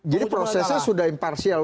jadi prosesnya sudah imparsial